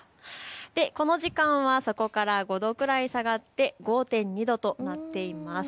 この時間はそこから５度くらい下がって５．２度となっています。